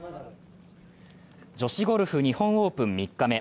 女子ゴルフ日本オープン３日目。